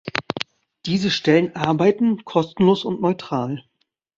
Diese Stellen arbeiten kostenlos und neutral.